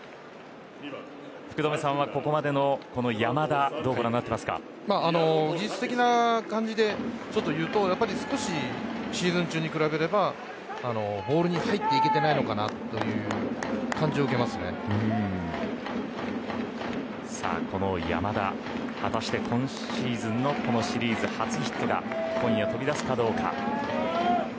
福留さんは、ここまでの山田技術的な感じでちょっと言うと少しシーズン中に比べればボールに入っていけていないのかなというこの山田果たして今シーズンのこのシリーズ初ヒットが今夜飛び出すかどうか。